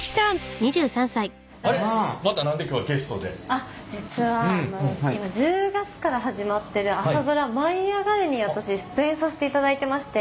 あっ実は今１０月から始まってる朝ドラ「舞いあがれ！」に私出演させていただいてまして。